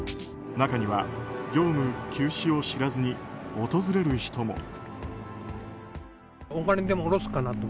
中には業務休止を知らずに訪れる人も。